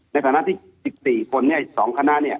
ในคณะที่๑๔คนอีก๒คณะ